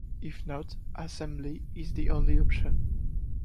If not, assembly is the only option.